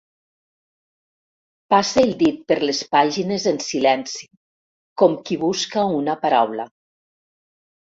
Passa el dit per les pàgines en silenci, com qui busca una paraula.